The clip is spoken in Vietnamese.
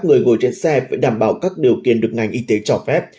người ngồi trên xe phải đảm bảo các điều kiện được ngành y tế cho phép